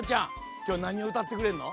きょうなにをうたってくれんの？